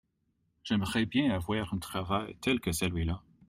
J’aimerais bien avoir un travail tel que celui-là.